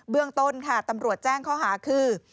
เรื่องต้นค่ะตำรวจแจ้งข้อหาคือ